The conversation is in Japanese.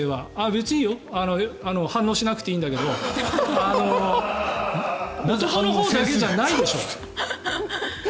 別にいいよ反応しなくていいんだけど男のほうだけじゃないでしょ。